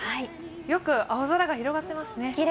よく青空が広がっていますね。